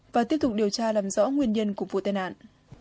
và tiếp tục điều tra làm rõ nguyên nhân của vụ tai nạn